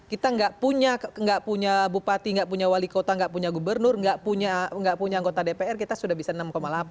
kita nggak punya bupati nggak punya wali kota nggak punya gubernur nggak punya anggota dpr kita sudah bisa enam delapan